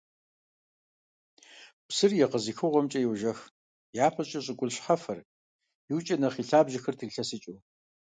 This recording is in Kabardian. Псыр егъэзыхыгъуэмкӀэ йожэх, япэ щӀыкӀэ щӀыгулъ шхьэфэр, иужькӀэ нэхъ и лъабжьэр трилъэсыкӀыу.